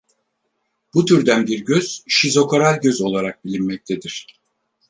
Bu türden bir göz şizokoral göz olarak bilinmektedir.